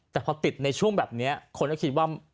แต่พอติดในช่วงแบบนี้คนก็คิดว่า